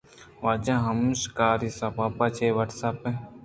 واجہ ایم شکاری ساهب ء چہ وٹسپ ء